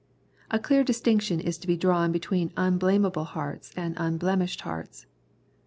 A clear distinction is to be drawn between unblameable hearts and unblemished hearts.